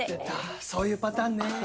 出たそういうパターンね。